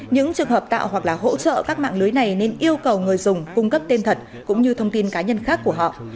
những trường hợp tạo hoặc là hỗ trợ các mạng lưới này nên yêu cầu người dùng cung cấp tên thật cũng như thông tin cá nhân khác của họ